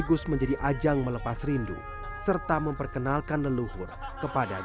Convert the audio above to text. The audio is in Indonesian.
hari masih gelap